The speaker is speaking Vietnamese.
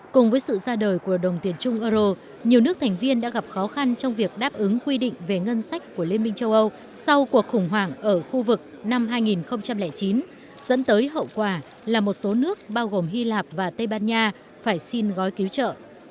cùng với sự ra đời của đồng tiền trung euro nhiều nước thành viên đã gặp khó khăn trong việc đáp ứng quy định về ngân sách của liên minh châu âu sau cuộc khủng hoảng ở khu vực năm hai nghìn chín dẫn tới hậu quả là một số nước bao gồm hy lạp và tây ban nha phải xin gói cứu trợ